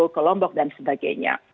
ke lombok dan sebagainya